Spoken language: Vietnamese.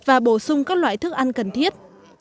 và bổ sung các loại thức ăn cần thiết